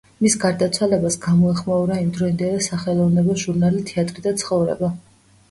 მის გარდაცვალებას გამოეხმაურა იმდროინდელი სახელოვნებო ჟურნალი „თეატრი და ცხოვრება“.